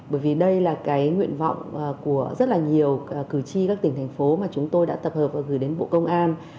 bởi vì đây là cái nguyện vọng của rất là nhiều cử tri các tỉnh thành phố mà chúng tôi đã tập hợp và gửi đến bộ công an